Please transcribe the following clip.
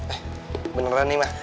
eh beneran nih ma